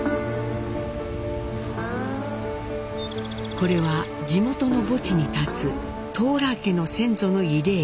これは地元の墓地に立つトーラー家の先祖の慰霊碑。